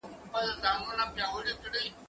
زه پرون سندري وويلې؟